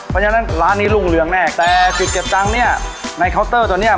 เพราะฉะนั้นร้านนี้รุ่งเรืองแน่แต่จุดเก็บตังค์เนี่ยในเคาน์เตอร์ตัวเนี้ย